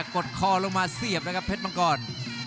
กดคอลงมาเสียบนะครับเพชรมังกร